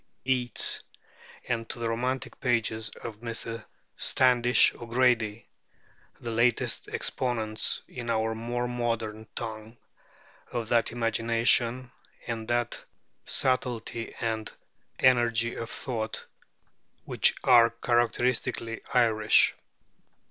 Yeats and to the romantic pages of Mr. Standish O'Grady, the latest exponents in our more modern tongue of that imagination, and that subtlety and energy of thought, which are characteristically Irish.